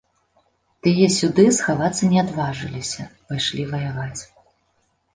Тыя сюды схавацца не адважыліся, пайшлі ваяваць.